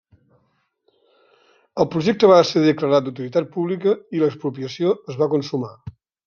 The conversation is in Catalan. El projecte va ser declarat d'utilitat pública i l'expropiació es va consumar.